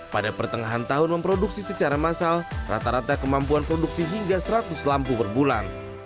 pada pertengahan tahun memproduksi secara massal rata rata kemampuan produksi hingga seratus lampu per bulan